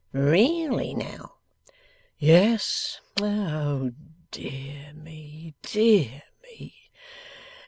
'Really, now!' 'Yes. (Oh dear me, dear me!)